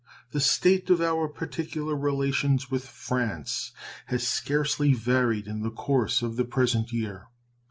The state of our particular relations with France has scarcely varied in the course of the present year.